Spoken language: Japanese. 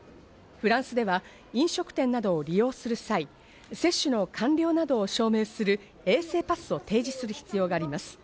フランスでは飲食店などを利用する際、接種の完了等を証明する衛生パスを提示する必要があります。